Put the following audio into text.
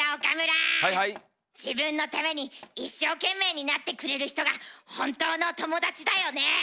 自分のために一生懸命になってくれる人が本当の友達だよねえ。